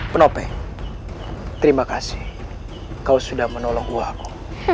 penope terima kasih kau sudah menolong uang